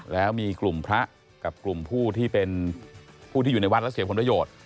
แล้วมีกลุ่มพระกับกลุ่มผู้ที่เป็นผู้ที่อยู่ในวัดและเสียผลประโยชน์